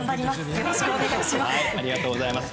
よろしくお願いします！